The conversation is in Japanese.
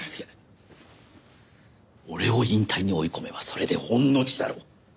俺を引退に追い込めばそれで御の字だろう。